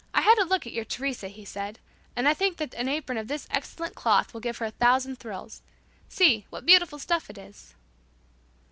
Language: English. "I had a look at your Teresa," he said, "and I think that an apron of this excellent cloth will give her a thousand thrills. See, what beautiful stuff it is."